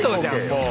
もう。